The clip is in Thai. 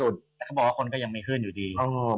แต่เขาบอกว่าคนก็ยังไม่ขึ้นอยู่ดี